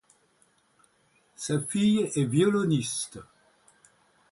Sa fille est violoniste.